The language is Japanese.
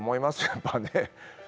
やっぱね